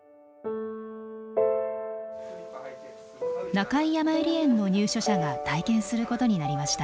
中井やまゆり園の入所者が体験することになりました。